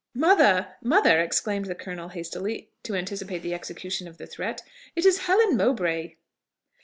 "Mother! mother!" exclaimed the colonel hastily, to anticipate the execution of the threat "it is Helen Mowbray!"